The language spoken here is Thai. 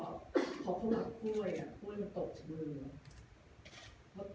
พอเขาหลับกล้วยอ่ะกล้วยมันตกจากเมื่อ